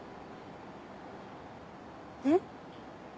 えっ？